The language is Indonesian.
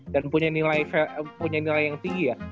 dan punya nilai yang tinggi ya